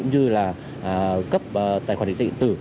và cấp tài khoản định dịch tử